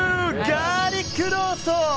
ガーリックロースト！